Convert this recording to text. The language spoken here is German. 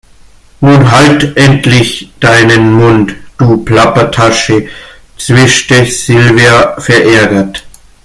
Nun halt endlich deinen Mund, du Plappertasche, zischte Silvia verärgert.